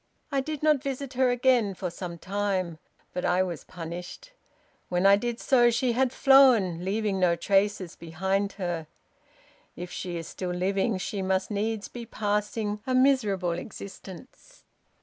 I did not visit her again for some time; but I was punished. When I did so she had flown, leaving no traces behind her. If she is still living she must needs be passing a miserable existence.